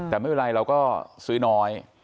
แต่ไม่เป็นไรเราก็ซื้อน้อย